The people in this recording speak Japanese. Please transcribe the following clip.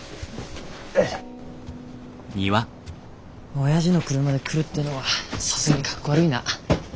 おやじの車で来るっていうのはさすがにかっこ悪いな。